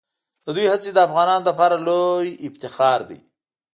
د دوی هڅې د افغانانو لپاره لویه افتخار دي.